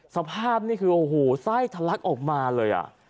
สภาพนี่คือสไลฟ์ทรักออกมาเลยฮะ